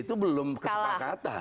itu belum kesepakatan